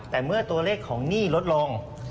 แต่เมื่อตัวเลขของหนี้ลดลง